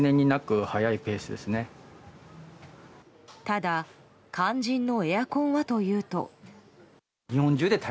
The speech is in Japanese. ただ、肝心のエアコンはというと。